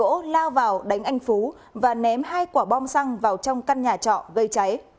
gỗ lao vào đánh anh phú và ném hai quả bom xăng vào trong căn nhà trọ gây cháy